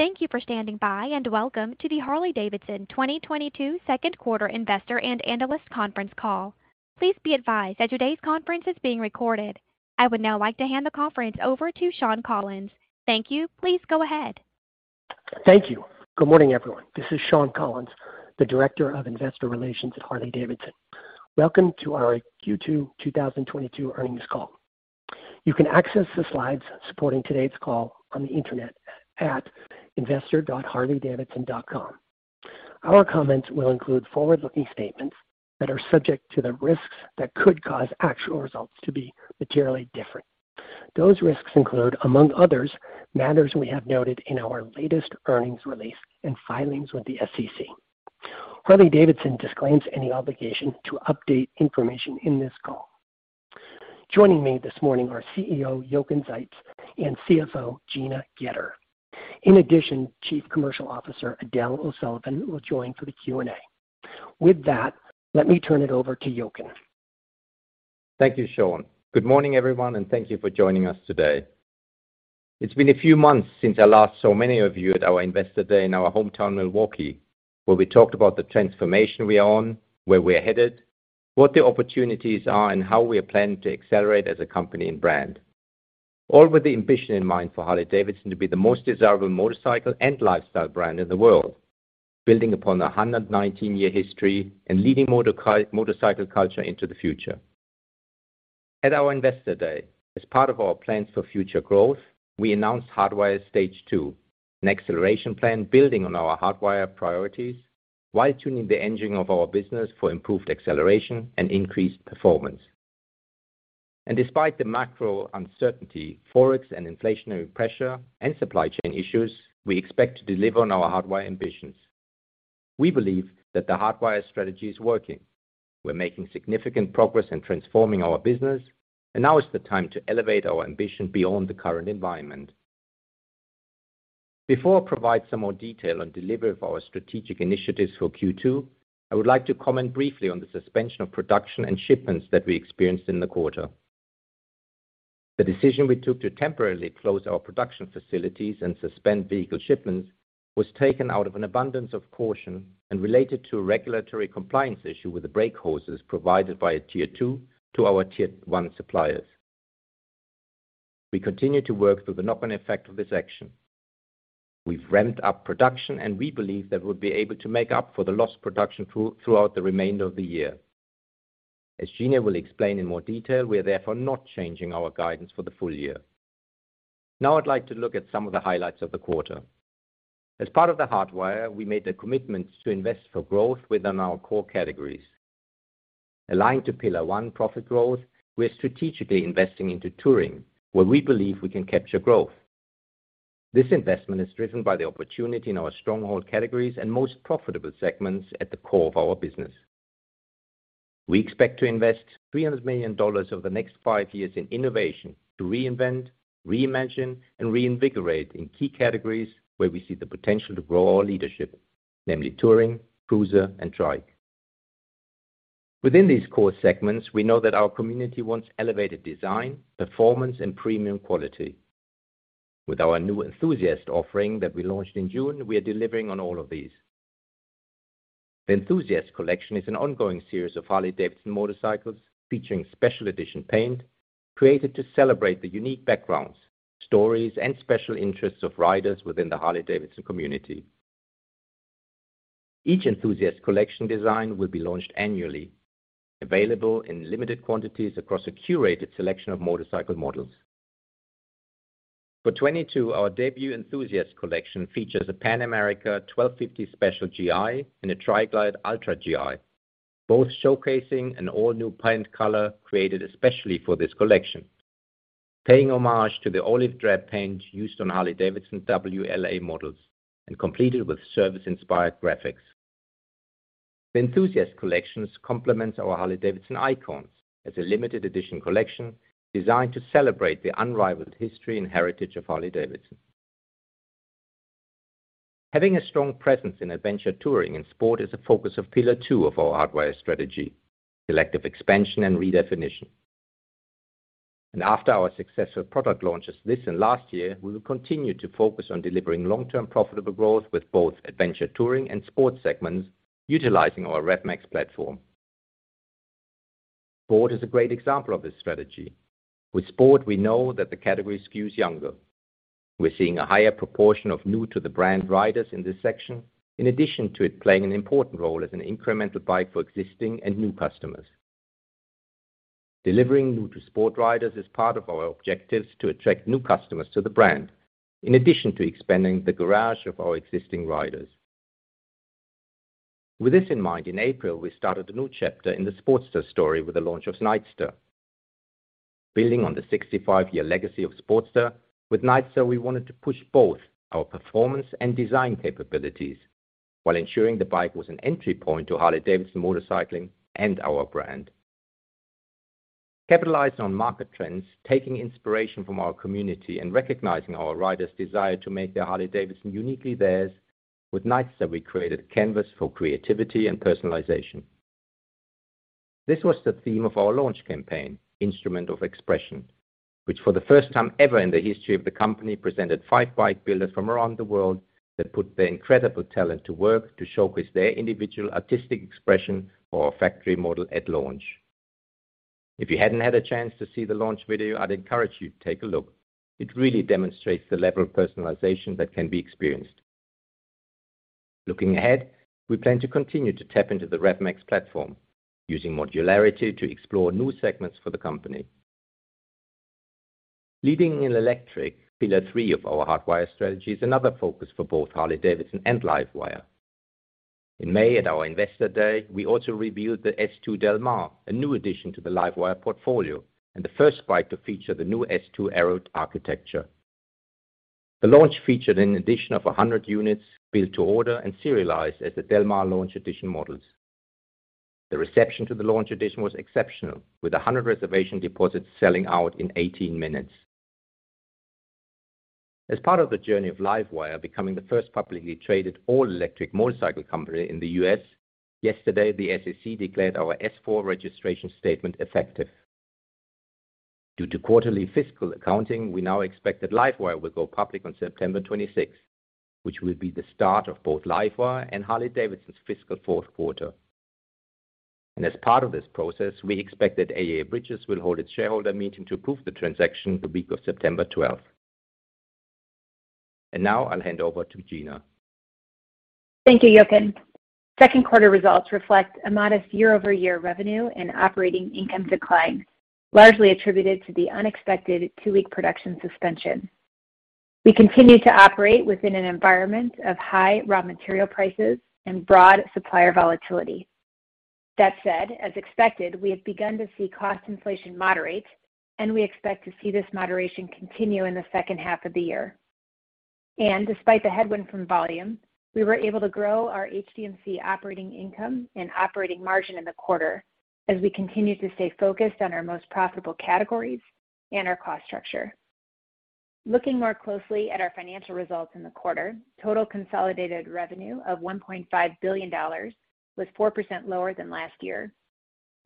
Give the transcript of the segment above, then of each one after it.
Thank you for standing by, and welcome to the Harley-Davidson 2022 second quarter investor and analyst conference call. Please be advised that today's conference is being recorded. I would now like to hand the conference over to Shawn Collins. Thank you. Please go ahead. Thank you. Good morning, everyone. This is Shawn Collins, the Director of Investor Relations at Harley-Davidson. Welcome to our Q2 2022 earnings call. You can access the slides supporting today's call on the internet at investor.harleydavidson.com. Our comments will include forward-looking statements that are subject to the risks that could cause actual results to be materially different. Those risks include, among others, matters we have noted in our latest earnings release and filings with the SEC. Harley-Davidson disclaims any obligation to update information in this call. Joining me this morning are CEO Jochen Zeitz and CFO Gina Goetter. In addition, Chief Commercial Officer Edel O'Sullivan will join for the Q&A. With that, let me turn it over to Jochen. Thank you, Shwan. Good morning, everyone, and thank you for joining us today. It's been a few months since I last saw many of you at our Investor Day in our hometown, Milwaukee, where we talked about the transformation we are on, where we're headed, what the opportunities are, and how we are planning to accelerate as a company and brand, all with the ambition in mind for Harley-Davidson to be the most desirable motorcycle and lifestyle brand in the world, building upon the 119-year history and leading motorcycle culture into the future. At our Investor Day, as part of our plans for future growth, we announced Hardwire stage two, an acceleration plan building on our Hardwire priorities while tuning the engine of our business for improved acceleration and increased performance. Despite the macro uncertainty, Forex and inflationary pressure and supply chain issues, we expect to deliver on our Hardwire ambitions. We believe that the Hardwire strategy is working. We're making significant progress in transforming our business, and now is the time to elevate our ambition beyond the current environment. Before I provide some more detail on delivery of our strategic initiatives for Q2, I would like to comment briefly on the suspension of production and shipments that we experienced in the quarter. The decision we took to temporarily close our production facilities and suspend vehicle shipments was taken out of an abundance of caution and related to a regulatory compliance issue with the brake hoses provided by a tier two to our tier one suppliers. We continue to work through the knock-on effect of this action. We've ramped up production, and we believe that we'll be able to make up for the lost production throughout the remainder of the year. As Gina will explain in more detail, we are therefore not changing our guidance for the full year. Now I'd like to look at some of the highlights of the quarter. As part of the Hardwire, we made a commitment to invest for growth within our core categories. Aligned to pillar one, profit growth, we're strategically investing into touring, where we believe we can capture growth. This investment is driven by the opportunity in our stronghold categories and most profitable segments at the core of our business. We expect to invest $300 million over the next five years in innovation to reinvent, reimagine, and reinvigorate in key categories where we see the potential to grow our leadership, namely touring, cruiser, and trike. Within these core segments, we know that our community wants elevated design, performance, and premium quality. With our new Enthusiast offering that we launched in June, we are delivering on all of these. The Enthusiast Collection is an ongoing series of Harley-Davidson motorcycles featuring special edition paint, created to celebrate the unique backgrounds, stories, and special interests of riders within the Harley-Davidson community. Each Enthusiast Collection design will be launched annually, available in limited quantities across a curated selection of motorcycle models. For 2022, our debut Enthusiast Collection features a Pan America 1250 Special G.I. and a Tri Glide Ultra G.I., both showcasing an all-new paint color created especially for this collection, paying homage to the olive drab paint used on Harley-Davidson WLA models and completed with service-inspired graphics. The Enthusiast Collection complements our Icons Collection as a limited edition collection designed to celebrate the unrivaled history and heritage of Harley-Davidson. Having a strong presence in adventure touring and sport is a focus of pillar two of our Hardwire strategy, selective expansion and redefinition. After our successful product launches this and last year, we will continue to focus on delivering long-term profitable growth with both adventure touring and sport segments utilizing our Revolution Max platform. Pan America is a great example of this strategy. With Sport, we know that the category skews younger. We're seeing a higher proportion of new to the brand riders in this section, in addition to it playing an important role as an incremental bike for existing and new customers. Delivering to new-to-sport riders is part of our objectives to attract new customers to the brand, in addition to expanding the garage of our existing riders. With this in mind, in April, we started a new chapter in the Sportster story with the launch of Nightster. Building on the 65-year legacy of Sportster, with Nightster, we wanted to push both our performance and design capabilities while ensuring the bike was an entry point to Harley-Davidson motorcycling and our brand. Capitalizing on market trends, taking inspiration from our community, and recognizing our riders' desire to make their Harley-Davidson uniquely theirs, with Nightster, we created a canvas for creativity and personalization. This was the theme of our launch campaign, Instrument of Expression, which for the first time ever in the history of the company, presented five bike builders from around the world that put their incredible talent to work to showcase their individual artistic expression for our factory model at launch. If you hadn't had a chance to see the launch video, I'd encourage you to take a look. It really demonstrates the level of personalization that can be experienced. Looking ahead, we plan to continue to tap into the Rev Max platform using modularity to explore new segments for the company. Leading in electric pillar three of our Hardwire strategy is another focus for both Harley-Davidson and LiveWire. In May at our Investor Day, we also revealed the S2 Del Mar, a new addition to the LiveWire portfolio, and the first bike to feature the new S2 Arrow architecture. The launch featured an addition of 100 units built to order and serialized as the Del Mar Launch Edition models. The reception to the launch edition was exceptional, with 100 reservation deposits selling out in 18 minutes. As part of the journey of LiveWire becoming the first publicly traded all-electric motorcycle company in the U.S., yesterday, the SEC declared our S-4 registration statement effective. Due to quarterly fiscal accounting, we now expect that LiveWire will go public on September 26th, which will be the start of both LiveWire and Harley-Davidson's fiscal fourth quarter. As part of this process, we expect that AEA-Bridges will hold its shareholder meeting to approve the transaction the week of September twelfth. Now I'll hand over to Gina. Thank you, Jochen. Second quarter results reflect a modest year-over-year revenue and operating income decline, largely attributed to the unexpected two-week production suspension. We continue to operate within an environment of high raw material prices and broad supplier volatility. That said, as expected, we have begun to see cost inflation moderate, and we expect to see this moderation continue in the second half of the year. Despite the headwind from volume, we were able to grow our HDMC operating income and operating margin in the quarter as we continue to stay focused on our most profitable categories and our cost structure. Looking more closely at our financial results in the quarter, total consolidated revenue of $1.5 billion was 4% lower than last year.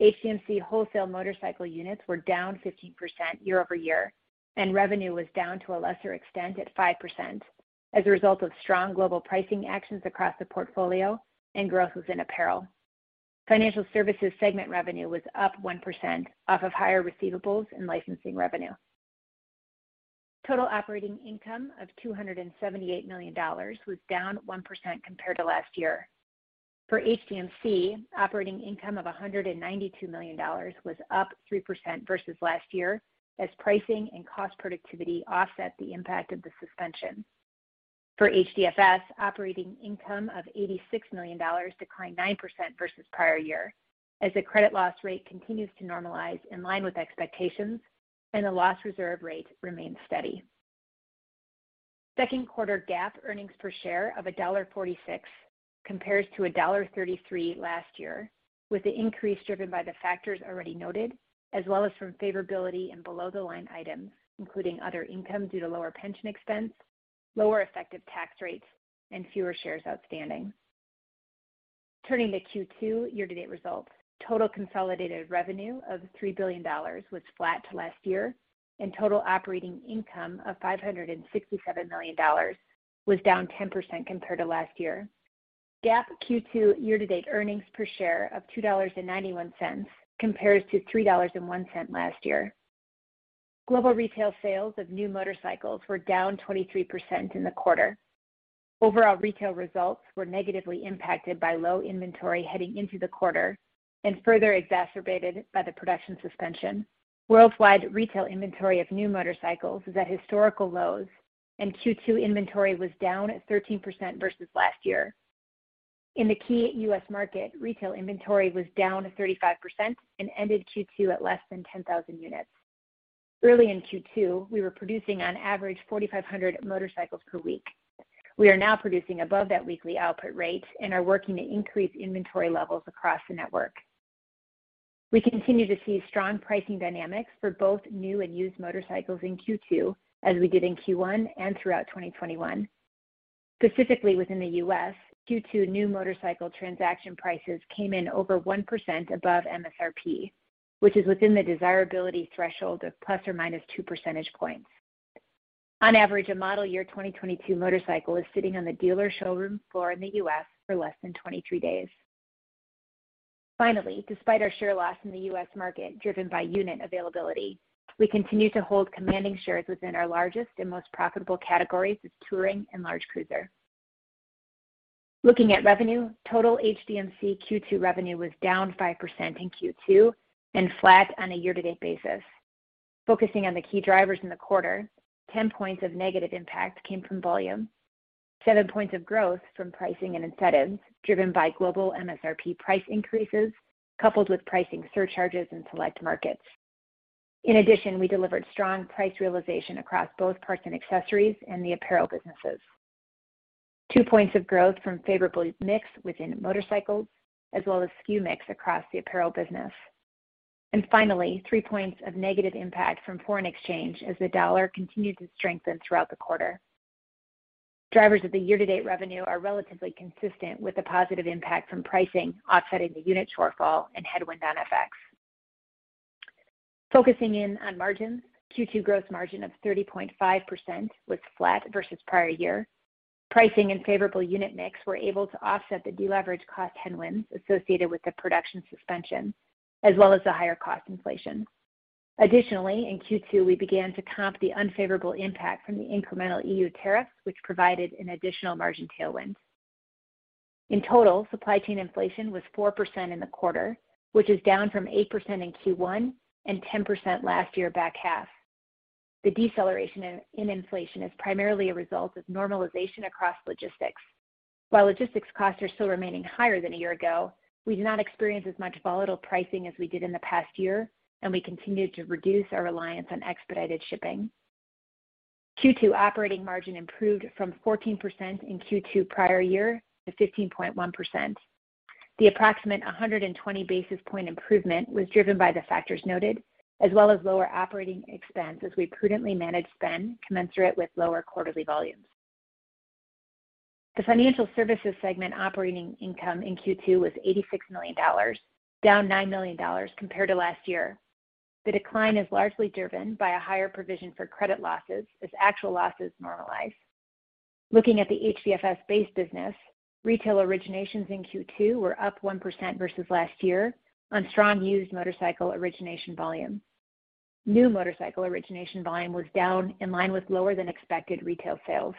HDMC wholesale motorcycle units were down 15% year-over-year, and revenue was down to a lesser extent at 5% as a result of strong global pricing actions across the portfolio and growth within apparel. Financial services segment revenue was up 1% off of higher receivables and licensing revenue. Total operating income of $278 million was down 1% compared to last year. For HDMC, operating income of $192 million was up 3% versus last year as pricing and cost productivity offset the impact of the suspension. For HDFS, operating income of $86 million declined 9% versus prior year as the credit loss rate continues to normalize in line with expectations and the loss reserve rate remains steady. Second quarter GAAP earnings per share of $1.46 compares to $1.33 last year, with the increase driven by the factors already noted, as well as from favorability in below-the-line items, including other income due to lower pension expense, lower effective tax rates, and fewer shares outstanding. Turning to Q2 year-to-date results, total consolidated revenue of $3 billion was flat to last year, and total operating income of $567 million was down 10% compared to last year. GAAP Q2 year-to-date earnings per share of $2.91 compares to $3.01 last year. Global retail sales of new motorcycles were down 23% in the quarter. Overall retail results were negatively impacted by low inventory heading into the quarter and further exacerbated by the production suspension. Worldwide retail inventory of new motorcycles is at historical lows, and Q2 inventory was down 13% versus last year. In the key U.S. market, retail inventory was down 35% and ended Q2 at less than 10,000 units. Early in Q2, we were producing on average 4,500 motorcycles per week. We are now producing above that weekly output rate and are working to increase inventory levels across the network. We continue to see strong pricing dynamics for both new and used motorcycles in Q2, as we did in Q1 and throughout 2021. Specifically within the U.S., Q2 new motorcycle transaction prices came in over 1% above MSRP, which is within the desirability threshold ofminus or plus two percentage points. On average, a model year 2022 motorcycle is sitting on the dealer showroom floor in the U.S. for less than 23 days. Finally, despite our share loss in the U.S. Market driven by unit availability, we continue to hold commanding shares within our largest and most profitable categories of touring and large cruiser. Looking at revenue, total HDMC Q2 revenue was down 5% in Q2 and flat on a year-to-date basis. Focusing on the key drivers in the quarter, 10 points of negative impact came from volume, seven points of growth from pricing and incentives driven by global MSRP price increases, coupled with pricing surcharges in select markets. In addition, we delivered strong price realization across both parts and accessories and the apparel businesses. two points of growth from favorable mix within motorcycles, as well as SKU mix across the apparel business. Finally, three points of negative impact from foreign exchange as the dollar continued to strengthen throughout the quarter. Drivers of the year-to-date revenue are relatively consistent with the positive impact from pricing offsetting the unit shortfall and headwind on FX. Focusing in on margins, Q2 gross margin of 30.5% was flat versus prior year. Pricing and favorable unit mix were able to offset the deleverage cost headwinds associated with the production suspension, as well as the higher cost inflation. Additionally, in Q2, we began to comp the unfavorable impact from the incremental EU tariffs, which provided an additional margin tailwind. In total, supply chain inflation was 4% in the quarter, which is down from 8% in Q1 and 10% last year back half. The deceleration in inflation is primarily a result of normalization across logistics. While logistics costs are still remaining higher than a year ago, we did not experience as much volatile pricing as we did in the past year, and we continued to reduce our reliance on expedited shipping. Q2 operating margin improved from 14% in Q2 prior year to 15.1%. The approximate 120 basis point improvement was driven by the factors noted, as well as lower operating expense as we prudently managed spend commensurate with lower quarterly volumes. The financial services segment operating income in Q2 was $86 million, down $9 million compared to last year. The decline is largely driven by a higher provision for credit losses as actual losses normalize. Looking at the HDFS base business, retail originations in Q2 were up 1% versus last year on strong used motorcycle origination volume. New motorcycle origination volume was down in line with lower than expected retail sales.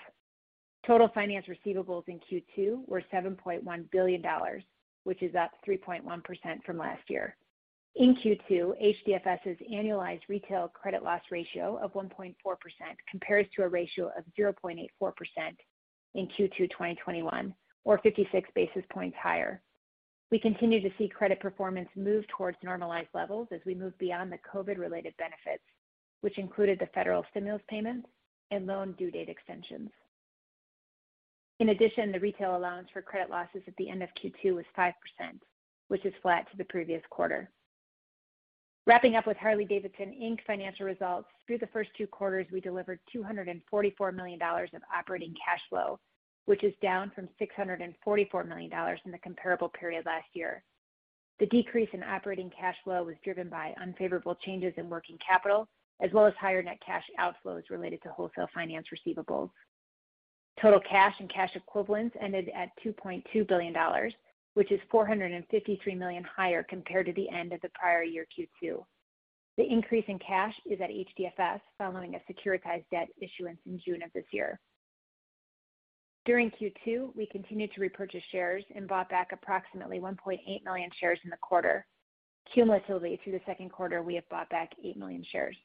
Total finance receivables in Q2 were $7.1 billion, which is up 3.1% from last year. In Q2, HDFS's annualized retail credit loss ratio of 1.4% compares to a ratio of 0.84% in Q2 2021 or 56 basis points higher. We continue to see credit performance move towards normalized levels as we move beyond the COVID-related benefits, which included the federal stimulus payments and loan due date extensions. In addition, the retail allowance for credit losses at the end of Q2 was 5%, which is flat to the previous quarter. Wrapping up with Harley-Davidson Inc. Financial results, through the first two quarters, we delivered $244 million of operating cash flow, which is down from $644 million in the comparable period last year. The decrease in operating cash flow was driven by unfavorable changes in working capital, as well as higher net cash outflows related to wholesale finance receivables. Total cash and cash equivalents ended at $2.2 billion, which is $453 million higher compared to the end of the prior year Q2. The increase in cash is at HDFS following a securitized debt issuance in June of this year. During Q2, we continued to repurchase shares and bought back approximately 1.8 million shares in the quarter. Cumulatively, through the second quarter, we have bought back 8 million shares.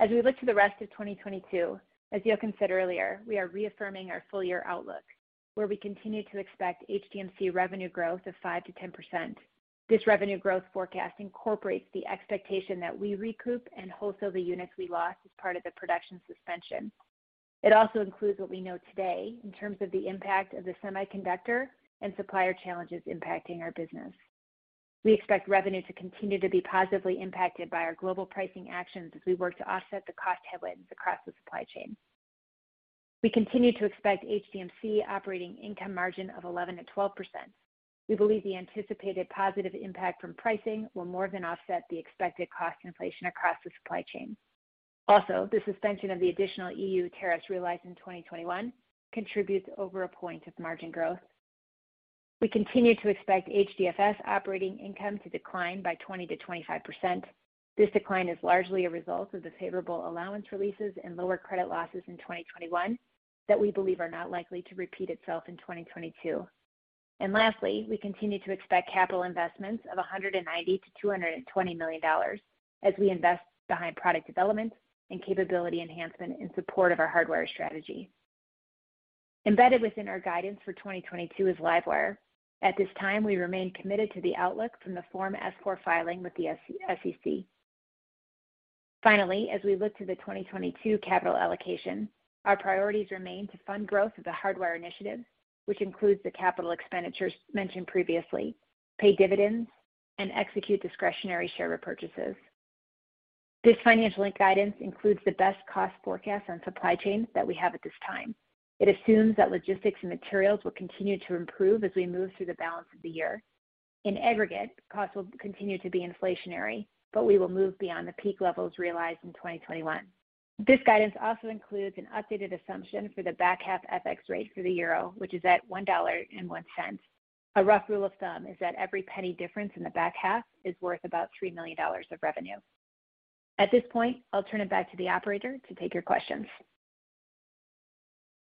As we look to the rest of 2022, as Yo considered earlier, we are reaffirming our full year outlook, where we continue to expect HDMC revenue growth of 5%-10%. This revenue growth forecast incorporates the expectation that we recoup and wholesale the units we lost as part of the production suspension. It also includes what we know today in terms of the impact of the semiconductor and supplier challenges impacting our business. We expect revenue to continue to be positively impacted by our global pricing actions as we work to offset the cost headwinds across the supply chain. We continue to expect HDMC operating income margin of 11%-12%. We believe the anticipated positive impact from pricing will more than offset the expected cost inflation across the supply chain. Also, the suspension of the additional EU tariffs realized in 2021 contributes over a point of margin growth. We continue to expect HDFS operating income to decline by 20%-25%. This decline is largely a result of the favorable allowance releases and lower credit losses in 2021 that we believe are not likely to repeat itself in 2022. Lastly, we continue to expect capital investments of $190 million-$220 million as we invest behind product development and capability enhancement in support of our Hardwire strategy. Embedded within our guidance for 2022 is LiveWire. At this time, we remain committed to the outlook from the Form S-4 filing with the SEC. Finally, as we look to the 2022 capital allocation, our priorities remain to fund growth of the Hardwire initiative, which includes the capital expenditures mentioned previously, pay dividends and execute discretionary share repurchases. This full-year guidance includes the best cost forecast on supply chain that we have at this time. It assumes that logistics and materials will continue to improve as we move through the balance of the year. In aggregate, costs will continue to be inflationary, but we will move beyond the peak levels realized in 2021. This guidance also includes an updated assumption for the back half FX rate for the euro, which is at $1.01. A rough rule of thumb is that every penny difference in the back half is worth about $3 million of revenue. At this point, I'll turn it back to the operator to take your questions.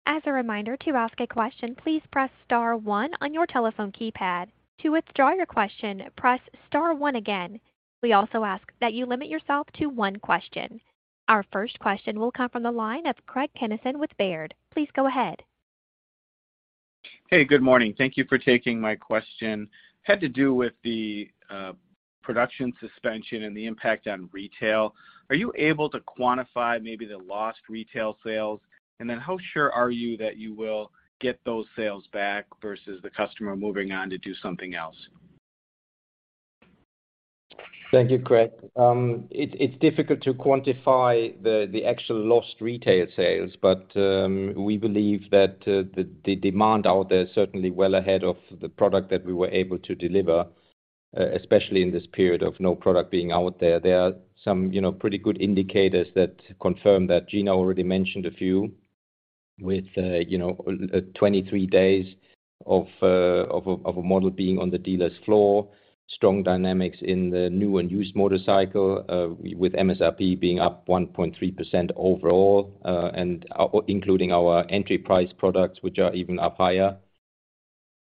As a reminder, to ask a question, please press star one on your telephone keypad. To withdraw your question, press star one again. We also ask that you limit yourself to one question. Our first question will come from the line of Craig Kennison with Baird. Please go ahead. Hey, good morning. Thank you for taking my question. Had to do with the production suspension and the impact on retail. Are you able to quantify maybe the lost retail sales? And then how sure are you that you will get those sales back versus the customer moving on to do something else? Thank you, Craig. It's difficult to quantify the actual lost retail sales, but we believe that the demand out there is certainly well ahead of the product that we were able to deliver, especially in this period of no product being out there. There are some, you know, pretty good indicators that confirm that Gina already mentioned a few with, you know, 23 days of a model being on the dealer's floor, strong dynamics in the new and used motorcycle, with MSRP being up 1.3% overall, and including our entry price products which are even up higher.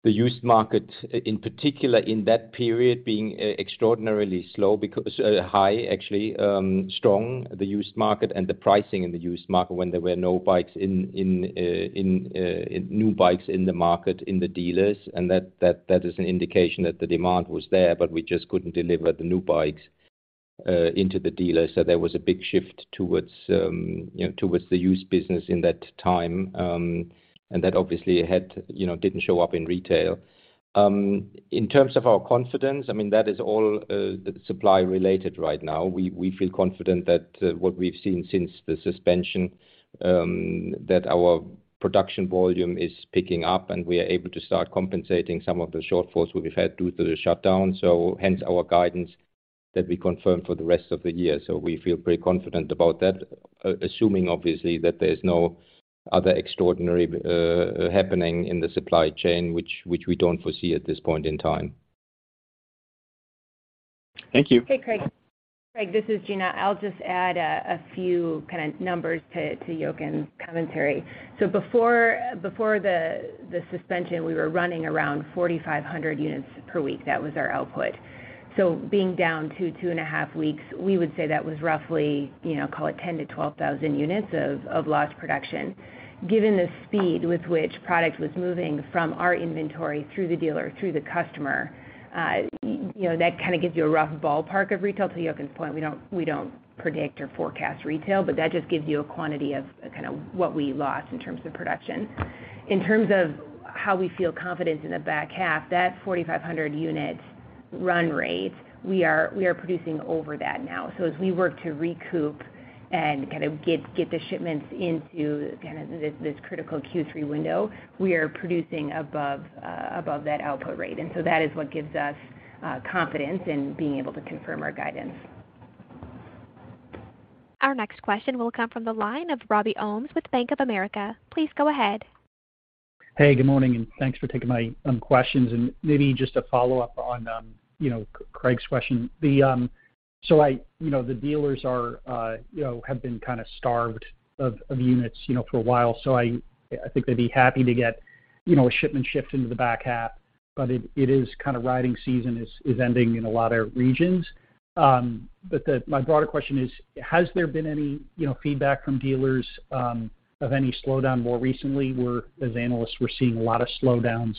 The used market, in particular in that period being extraordinarily strong, the used market and the pricing in the used market when there were no new bikes in the market in the dealers, and that is an indication that the demand was there, but we just couldn't deliver the new bikes into the dealers. There was a big shift towards, you know, towards the used business in that time, and that obviously had, you know, didn't show up in retail. In terms of our confidence, I mean, that is all supply related right now. We feel confident that what we've seen since the suspension that our production volume is picking up, and we are able to start compensating some of the shortfalls we've had due to the shutdown. Hence our guidance that we confirm for the rest of the year. We feel pretty confident about that, assuming obviously that there's no other extraordinary happening in the supply chain, which we don't foresee at this point in time. Thank you. Hey, Craig. Craig, this is Gina. I'll just add a few kind of numbers to Jochen's commentary. Before the suspension, we were running around 4,500 units per week. That was our output. Being down to 2.5 weeks, we would say that was roughly, you know, call it 10,000-12,000 units of lost production. Given the speed with which product was moving from our inventory through the dealer, through the customer, you know, that kinda gives you a rough ballpark of retail. To Jochen's point, we don't predict or forecast retail, but that just gives you a quantity of kinda what we lost in terms of production. In terms of how we feel confident in the back half, that 4,500 unit run rate, we are producing over that now. As we work to recoup and kinda get the shipments into kinda this critical Q3 window, we are producing above that output rate. That is what gives us confidence in being able to confirm our guidance. Our next question will come from the line of Robin Farley with Bank of America. Please go ahead. Hey, good morning, and thanks for taking my questions. Maybe just a follow-up on, you know, Craig's question. The dealers are, you know, have been kinda starved of units, you know, for a while. I think they'd be happy to get, you know, a shipment shift into the back half. But it is kinda riding season ending in a lot of regions. But my broader question is, has there been any, you know, feedback from dealers of any slowdown more recently? As analysts, we're seeing a lot of slowdowns,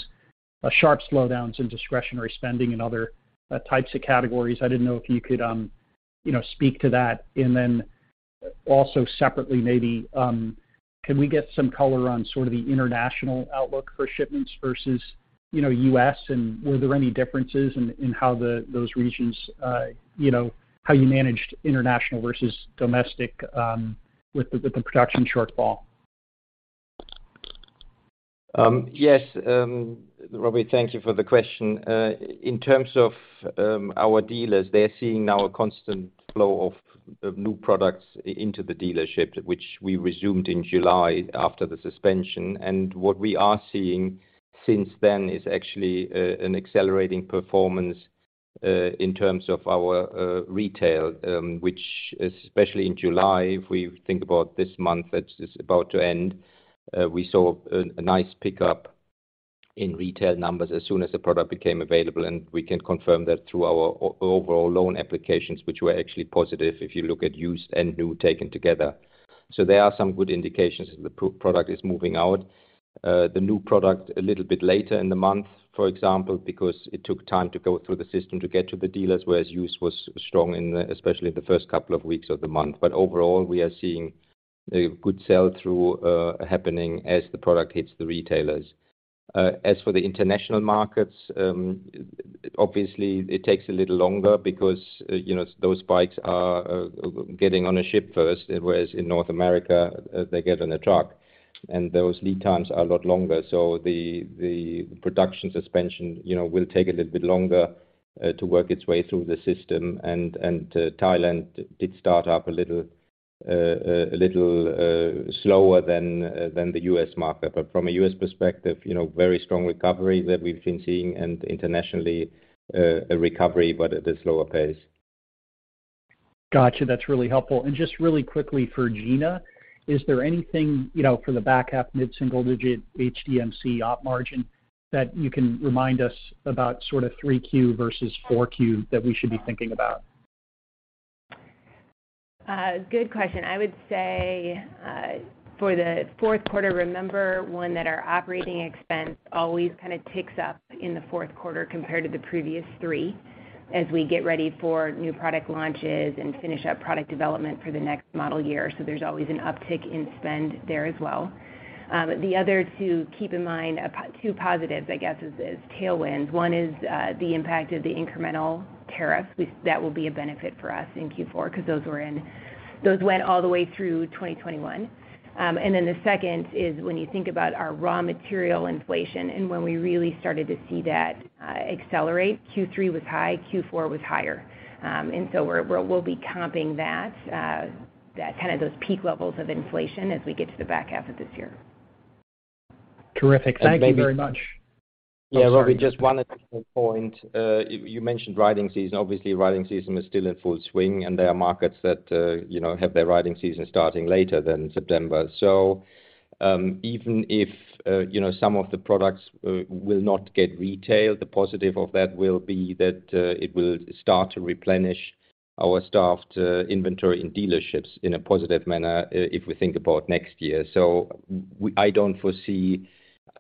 sharp slowdowns in discretionary spending and other types of categories. I didn't know if you could, you know, speak to that. Also separately, maybe, can we get some color on sort of the international outlook for shipments versus, you know, U.S., and were there any differences in how those regions, you know, how you managed international versus domestic, with the production shortfall? Yes, Robbie, thank you for the question. In terms of our dealers, they're seeing now a constant flow of new products into the dealerships, which we resumed in July after the suspension. What we are seeing since then is actually an accelerating performance in terms of our retail, which especially in July, if we think about this month that's just about to end, we saw a nice pickup in retail numbers as soon as the product became available, and we can confirm that through our overall loan applications, which were actually positive if you look at used and new taken together. There are some good indications that the product is moving out. The new product a little bit later in the month, for example, because it took time to go through the system to get to the dealers, whereas used was strong in, especially in the first couple of weeks of the month. Overall, we are seeing a good sell-through happening as the product hits the retailers. As for the international markets, obviously it takes a little longer because, you know, those bikes are getting on a ship first, whereas in North America, they get on a truck. Those lead times are a lot longer. The production suspension, you know, will take a little bit longer to work its way through the system. Thailand did start up a little slower than the U.S. market. From a U.S. perspective, you know, very strong recovery that we've been seeing and internationally, a recovery, but at a slower pace. Gotcha. That's really helpful. Just really quickly for Gina, is there anything, you know, for the back half mid-single digit HDMC op margin that you can remind us about sorta 3Q versus 4Q that we should be thinking about? Good question. I would say, for the fourth quarter, remember one, that our operating expense always kind of ticks up in the fourth quarter compared to the previous three as we get ready for new product launches and finish up product development for the next model year. There's always an uptick in spend there as well. The other to keep in mind,, I guess, as tailwinds. One is, the impact of the incremental tariff. That will be a benefit for us in Q4 because those went all the way through 2021. Then the second is when you think about our raw material inflation and when we really started to see that accelerate, Q3 was high, Q4 was higher. We'll be comping that kind of those peak levels of inflation as we get to the back half of this year. Terrific. Thank you very much. Yeah. Robbie, just one additional point. You mentioned riding season. Obviously, riding season is still in full swing, and there are markets that, you know, have their riding season starting later than September. Even if, you know, some of the products will not get retailed, the positive of that will be that it will start to replenish our starved inventory in dealerships in a positive manner if we think about next year. I don't foresee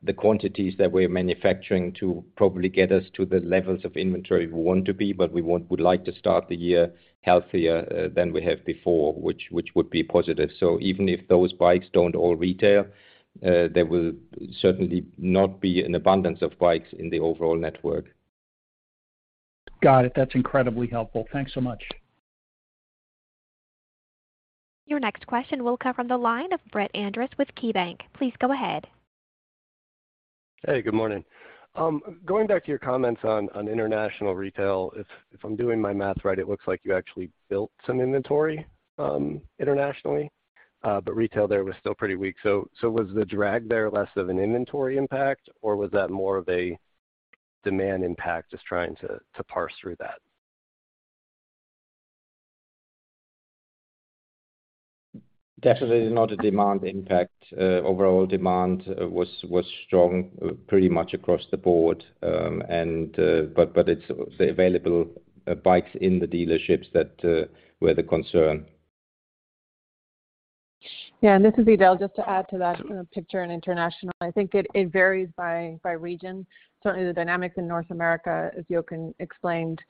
the quantities that we're manufacturing to probably get us to the levels of inventory we want to be, but we would like to start the year healthier than we have before, which would be positive. Even if those bikes don't all retail, there will certainly not be an abundance of bikes in the overall network. Got it. That's incredibly helpful. Thanks so much. Your next question will come from the line of Brett Andress with KeyBanc. Please go ahead. Hey, good morning. Going back to your comments on international retail, if I'm doing my math right, it looks like you actually built some inventory internationally, but retail there was still pretty weak. Was the drag there less of an inventory impact, or was that more of a demand impact? Just trying to parse through that. Definitely not a demand impact. Overall demand was strong pretty much across the board. It's the available bikes in the dealerships that were the concern. Yeah. This is Edel. Just to add to that kind of picture in international, I think it varies by region. Certainly the dynamics in North America, as Jochen explained,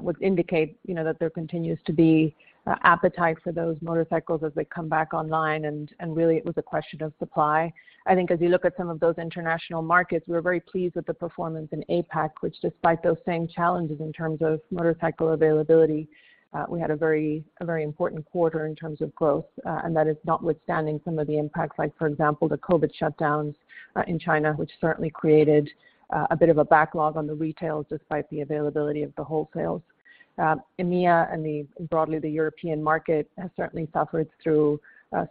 would indicate, you know, that there continues to be appetite for those motorcycles as they come back online. Really it was a question of supply. I think as you look at some of those international markets, we're very pleased with the performance in APAC, which despite those same challenges in terms of motorcycle availability, we had a very important quarter in terms of growth. That is notwithstanding some of the impacts like, for example, the COVID shutdowns in China, which certainly created a bit of a backlog on the retail despite the availability of the wholesale. EMEA broadly, the European market has certainly suffered through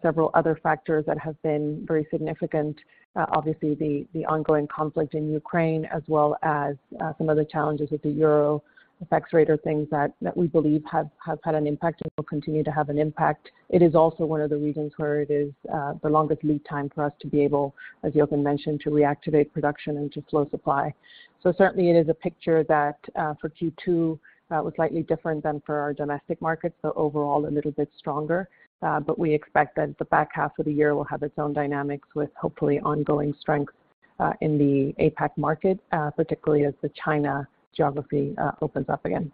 several other factors that have been very significant. Obviously the ongoing conflict in Ukraine as well as some of the challenges with the euro FX rate are things that we believe have had an impact and will continue to have an impact. It is also one of the reasons where it is the longest lead time for us to be able, as Jochen mentioned, to reactivate production and to flow supply. Certainly it is a picture that for Q2 was slightly different than for our domestic markets, but overall a little bit stronger. We expect that the back half of the year will have its own dynamics with hopefully ongoing strength in the APAC market, particularly as the China geography opens up again.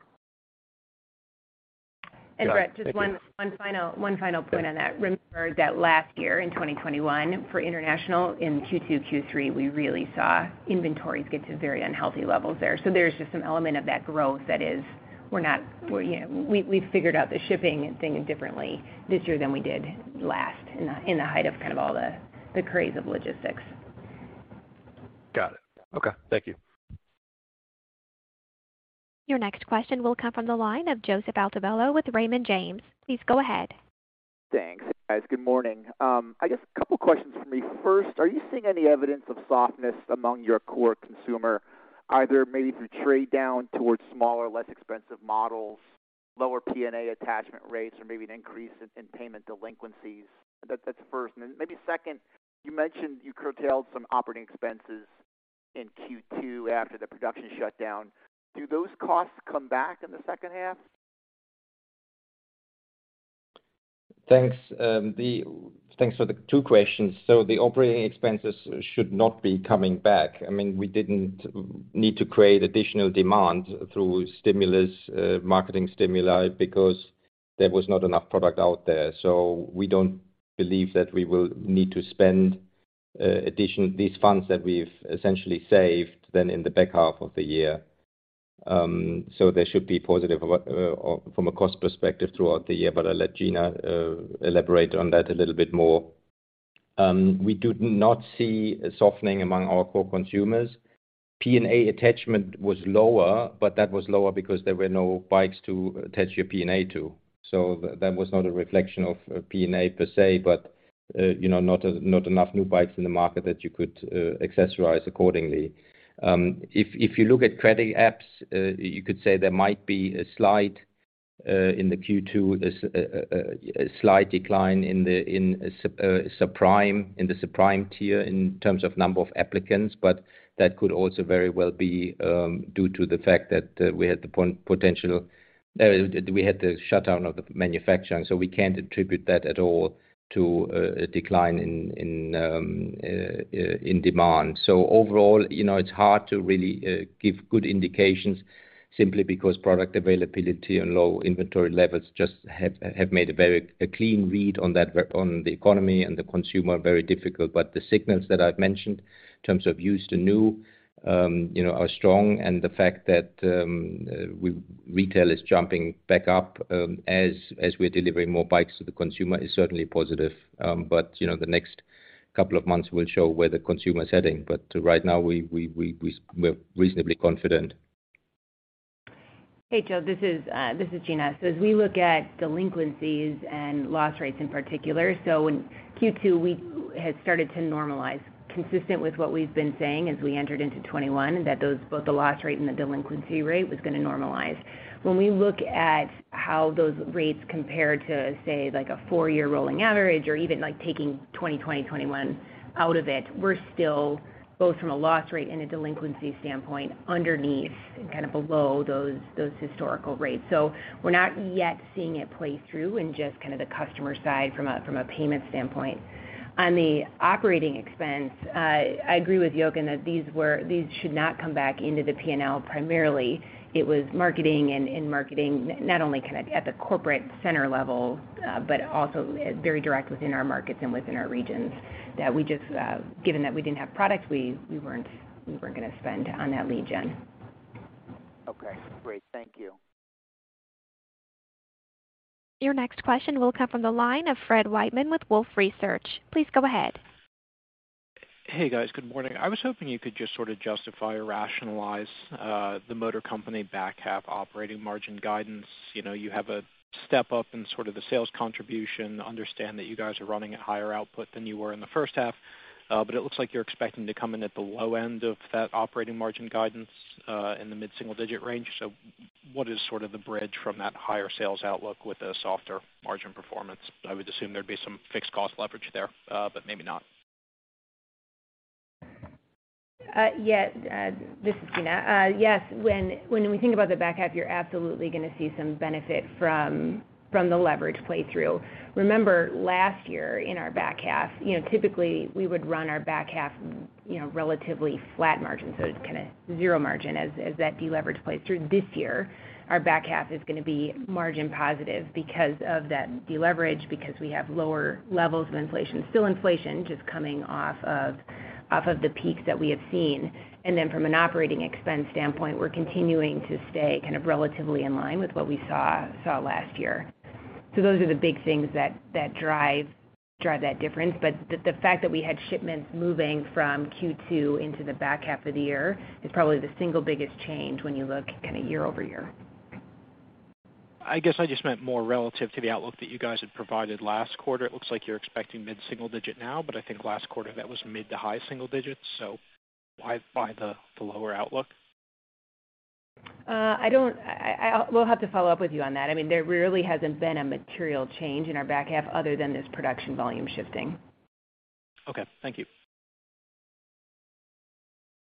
Brett, just one final point on that. Remember that last year in 2021 for international in Q2, Q3, we really saw inventories get to very unhealthy levels there. There's just some element of that growth that is, you know, we've figured out the shipping thing differently this year than we did last in the height of kind of all the craze of logistics. Got it. Okay. Thank you. Your next question will come from the line of Joseph Altobello with Raymond James. Please go ahead. Thanks, guys. Good morning. I guess a couple questions for me. First, are you seeing any evidence of softness among your core consumer, either maybe through trade down towards smaller, less expensive models, lower P&A attachment rates, or maybe an increase in payment delinquencies? That's first. Then maybe second, you mentioned you curtailed some operating expenses in Q2 after the production shutdown. Do those costs come back in the second half? Thanks for the two questions. The operating expenses should not be coming back. I mean, we didn't need to create additional demand through stimulus, marketing stimuli because there was not enough product out there. We don't believe that we will need to spend these funds that we've essentially saved then in the back half of the year. There should be positive from a cost perspective throughout the year, but I'll let Gina elaborate on that a little bit more. We do not see a softening among our core consumers. P&A attachment was lower, but that was lower because there were no bikes to attach your P&A to. That was not a reflection of P&A per se, but you know, not enough new bikes in the market that you could accessorize accordingly. If you look at credit apps, you could say there might be a slight decline in the Q2. There's a slight decline in the subprime tier in terms of number of applicants, but that could also very well be due to the fact that we had the shutdown of the manufacturing, so we can't attribute that at all to a decline in demand. Overall, you know, it's hard to really give good indications simply because product availability and low inventory levels just have made a very clean read on the economy and the consumer very difficult. The signals that I've mentioned in terms of used to new, you know, are strong. The fact that retail is jumping back up, as we're delivering more bikes to the consumer is certainly positive. You know, the next couple of months will show where the consumer's heading. Right now, we're reasonably confident. Hey, Joe. This is Gina. As we look at delinquencies and loss rates in particular, in Q2, we had started to normalize consistent with what we've been saying as we entered into 2021, that those, both the loss rate and the delinquency rate was gonna normalize. When we look at how those rates compare to, say, like a four-year rolling average or even like taking 2020, 2021 out of it, we're still both from a loss rate and a delinquency standpoint underneath and kind of below those historical rates. We're not yet seeing it play through in just kind of the customer side from a payment standpoint. On the operating expense, I agree with Jochen that these should not come back into the P&L. Primarily it was marketing and marketing not only kind of at the corporate center level, but also very direct within our markets and within our regions that we just, given that we didn't have product, we weren't gonna spend on that lead gen. Okay, great. Thank you. Your next question will come from the line of Fred Wightman with Wolfe Research. Please go ahead. Hey, guys. Good morning. I was hoping you could just sort of justify or rationalize, the motor company back half operating margin guidance. You know, you have a step up in sort of the sales contribution, understand that you guys are running at higher output than you were in the first half, but it looks like you're expecting to come in at the low end of that operating margin guidance, in the mid-single digit range. What is sort of the bridge from that higher sales outlook with a softer margin performance? I would assume there'd be some fixed cost leverage there, but maybe not. This is Gina. Yes. When we think about the back half, you're absolutely gonna see some benefit from the leverage play through. Remember, last year in our back half, you know, typically we would run our back half, you know, relatively flat margin. It's kinda zero margin as that deleverage plays through. This year, our back half is gonna be margin positive because of that deleverage, because we have lower levels of inflation. Still inflation, just coming off of the peaks that we have seen. From an operating expense standpoint, we're continuing to stay kind of relatively in line with what we saw last year. Those are the big things that drive that difference. The fact that we had shipments moving from Q2 into the back half of the year is probably the single biggest change when you look kinda year-over-year. I guess I just meant more relative to the outlook that you guys had provided last quarter. It looks like you're expecting mid-single digit now, but I think last quarter that was mid to high single digits. Why the lower outlook? I will have to follow up with you on that. I mean, there really hasn't been a material change in our back half other than this production volume shifting. Okay, thank you.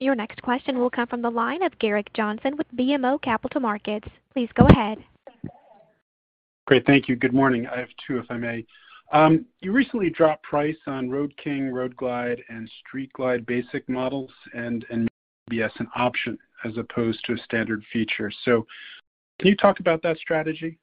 Your next question will come from the line of Gerrick Johnson with BMO Capital Markets. Please go ahead. Great. Thank you. Good morning. I have two, if I may. You recently dropped price on Road King, Road Glide, and Street Glide basic models and ABS an option as opposed to a standard feature. Can you talk about that strategy?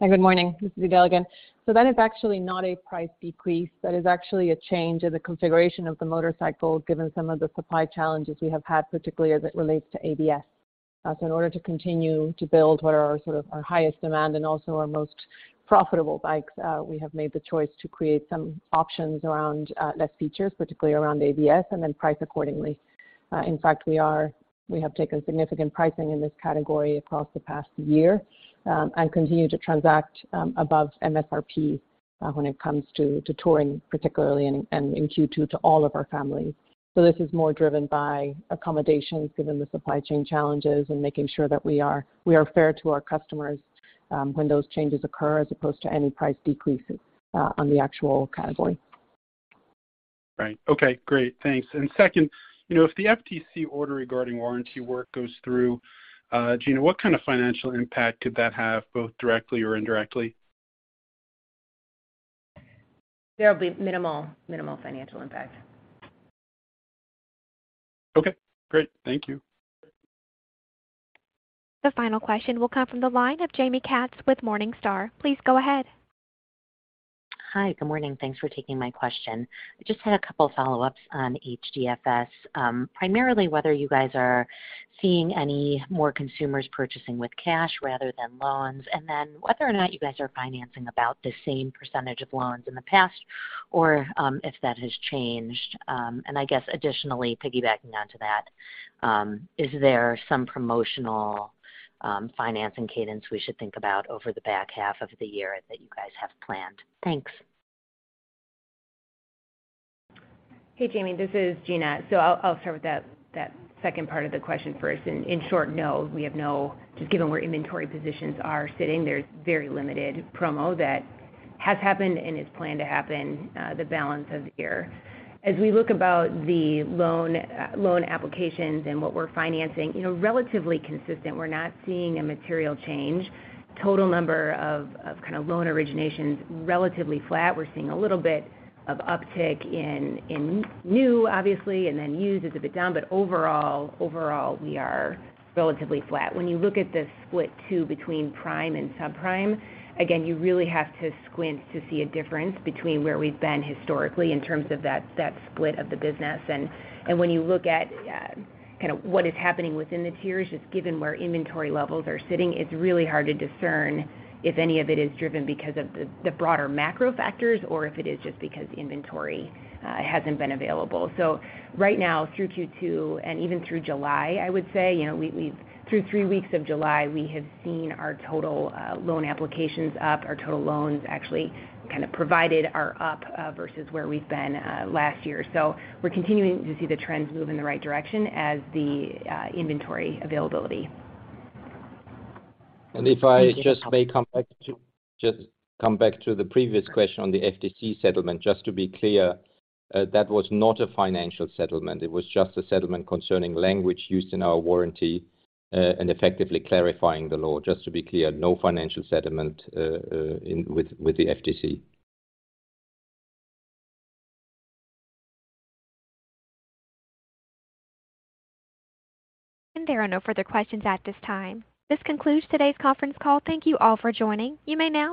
Hi, good morning. This is Miguel again. That is actually not a price decrease. That is actually a change in the configuration of the motorcycle given some of the supply challenges we have had, particularly as it relates to ABS. In order to continue to build what are our sort of highest demand and also our most profitable bikes, we have made the choice to create some options around, less features, particularly around ABS, and then price accordingly. In fact, we have taken significant pricing in this category across the past year, and continue to transact above MSRP, when it comes to touring particularly and in Q2 to all of our families. This is more driven by accommodations given the supply chain challenges and making sure that we are fair to our customers, when those changes occur as opposed to any price decreases, on the actual category. Right. Okay, great. Thanks. Second, you know, if the FTC order regarding warranty work goes through, Gina, what kind of financial impact could that have both directly or indirectly? There'll be minimal financial impact. Okay, great. Thank you. The final question will come from the line of Jaime M. Katz with Morningstar. Please go ahead. Hi. Good morning. Thanks for taking my question. I just had a couple follow-ups on HDFS, primarily whether you guys are seeing any more consumers purchasing with cash rather than loans, and then whether or not you guys are financing about the same percentage of loans in the past or, if that has changed. I guess additionally, piggybacking onto that, is there some promotional financing cadence we should think about over the back half of the year that you guys have planned? Thanks. Hey, Jamie, this is Gina. I'll start with that second part of the question first. In short, no. Just given where inventory positions are sitting, there's very limited promo that has happened and is planned to happen, the balance of the year. As we look about the loan applications and what we're financing, you know, relatively consistent, we're not seeing a material change. Total number of loan originations, relatively flat. We're seeing a little bit of uptick in new, obviously, and then used is a bit down, but overall, we are relatively flat. When you look at the split too between prime and subprime, again, you really have to squint to see a difference between where we've been historically in terms of that split of the business. When you look at kinda what is happening within the tiers, just given where inventory levels are sitting, it's really hard to discern if any of it is driven because of the broader macro factors or if it is just because inventory hasn't been available. Right now through Q2 and even through July, I would say, you know, through three weeks of July, we have seen our total loan applications up. Our total loans actually kind of provided are up versus where we've been last year. We're continuing to see the trends move in the right direction as the inventory availability. If I just may come back to the previous question on the FTC settlement, just to be clear, that was not a financial settlement. It was just a settlement concerning language used in our warranty and effectively clarifying the law. Just to be clear, no financial settlement with the FTC. There are no further questions at this time. This concludes today's conference call. Thank you all for joining. You may now disconnect.